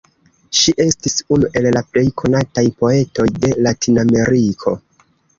Ŝi estis unu el la plej konataj poetoj de Latinameriko.